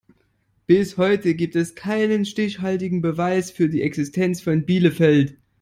Bis heute gibt es keinen stichhaltigen Beweis für die Existenz von Bielefeld.